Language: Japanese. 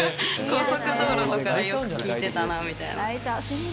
高速道路とかでよく聴いてたなみたいな。